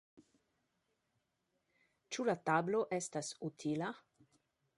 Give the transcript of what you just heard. Ĉu la tablo estas utila?